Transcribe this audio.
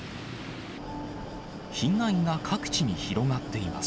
被害が各地に広がっています。